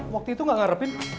waktu itu gak ngarepin